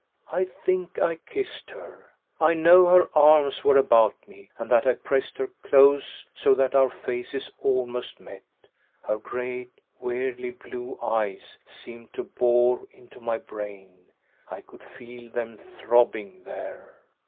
I think I kissed her. I know her arms were about me, and that I pressed her close, so that our faces almost met. Her great, weirdly blue eyes seemed to bore into my brain. I could feel them throbbing there....